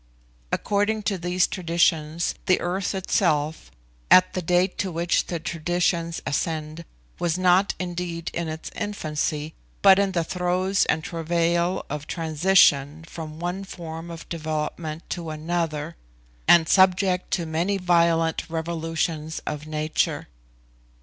According to these traditions the earth itself, at the date to which the traditions ascend, was not indeed in its infancy, but in the throes and travail of transition from one form of development to another, and subject to many violent revolutions of nature.